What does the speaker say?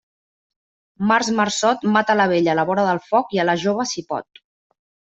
Març, marçot, mata la vella a la vora del foc i a la jove si pot.